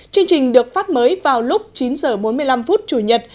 chương trình được phát mới vào lúc chín h bốn mươi năm chủ nhật